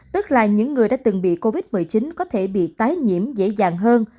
tức là những người đã từng bị covid một mươi chín có thể bị tái nhiễm dễ dàng hơn